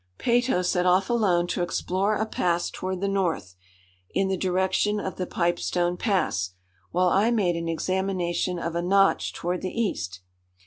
Peyto set off alone to explore a pass toward the north, in the direction of the Pipestone Pass, while I made an examination of a notch toward the east.